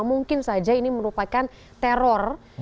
mungkin saja ini merupakan teror